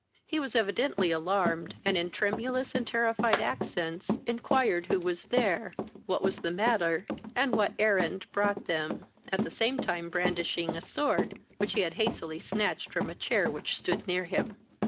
He was evidently alarmed, and in tremulous and terrified accents inquired who was there, what was the matter, and what errand brought them? at the same time brandishing a sword, which he had hastily snatched from a chair which stood near him.